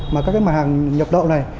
mà các cái mặt hàng nhập lậu này